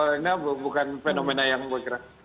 ini bukan fenomena yang bergerak